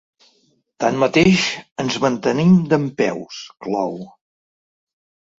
Tanmateix, ens mantenim dempeus, clou.